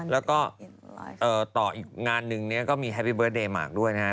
แล้วก็ต่ออีกงานนึงเนี่ยก็มีแฮปปี้เดิร์เดย์มาร์คด้วยนะฮะ